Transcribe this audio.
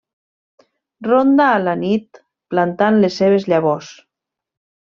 Ronda a la nit plantant les seves llavors.